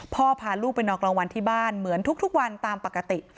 พาลูกไปนอนกลางวันที่บ้านเหมือนทุกวันตามปกติ